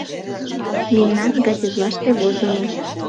Мемнан газетлаште возымо.